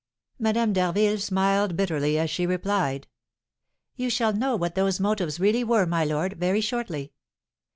Madame d'Harville smiled bitterly as she replied: "You shall know what those motives really were, my lord, very shortly.